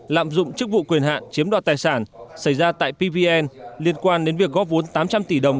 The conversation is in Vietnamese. lạm dụng chức vụ quyền hạn chiếm đoạt tài sản xảy ra tại pvn liên quan đến việc góp vốn tám trăm linh tỷ đồng